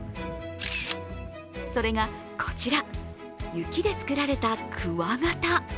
それがこちら、雪で作られたクワガタ。